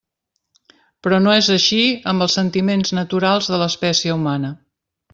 Però no és així amb els sentiments naturals de l'espècie humana.